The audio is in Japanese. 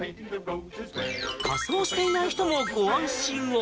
仮装していない人もご安心を。